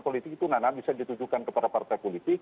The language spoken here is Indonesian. politik itu nana bisa ditujukan kepada partai politik